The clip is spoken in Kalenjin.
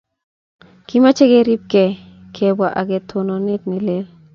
kimache keripkei kebwa ak tononet ne lel